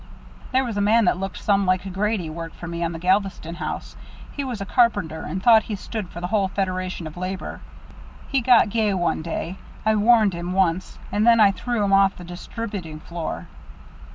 "There was a man that looked some like Grady worked for me on the Galveston house. He was a carpenter, and thought he stood for the whole Federation of Labor. He got gay one day. I warned him once, and then I threw him off the distributing floor."